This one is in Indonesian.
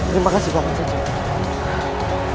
terima kasih pak mas eja